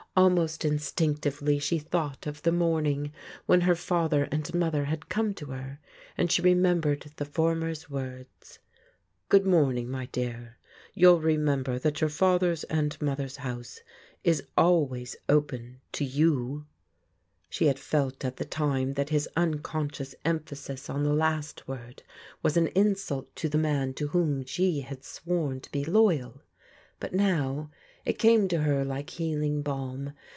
Almost instinctively she thought of the morning when her father and mother had come to her, and she remembered the former's words :" Good mom ing, my dear; you'll remember that your father's and mother's house is always open to you'' She had felt at the time that his unconscious emphasis on the last word was an insult to the man to whom she had sworn to be loyal, but now it came to her like healing balm.